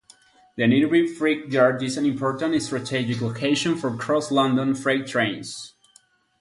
The nearby freight yard is an important strategic location for cross-London freight trains.